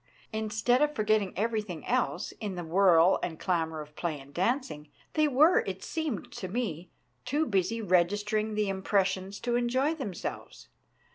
Instead of forgetting everything else in the whirl and clamour of play and dancing, they were, it seemed to me, too busy registering the impressions to enjoy themselves.